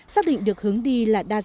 xác định được hướng đi là đa dạng